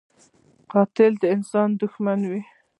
قاتل د انسانیت دښمن وي